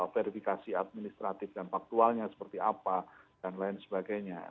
verifikasi administratif dan faktualnya seperti apa dan lain sebagainya